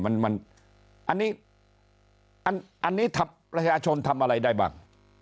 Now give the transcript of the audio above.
มันมันอันนี้อันอันนี้ทำรัฐชนทำอะไรได้บ้าง